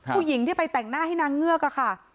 ผู้หญิงที่ไปแต่งหน้าให้นางเงือกค่ะ